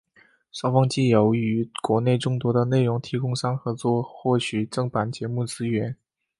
双方藉由与国内众多的内容提供商合作获取正版节目资源。